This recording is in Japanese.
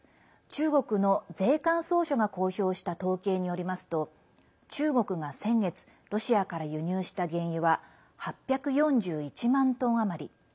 中国の税関総署が公表した統計によりますと中国が先月ロシアから輸入した原油は８４１万トン余り。